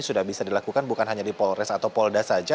sudah bisa dilakukan bukan hanya di polres atau polda saja